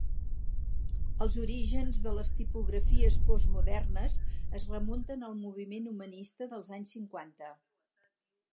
Els orígens de les tipografies postmodernes es remunten al moviment humanista dels anys cinquanta.